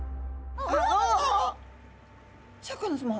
シャーク香音さま。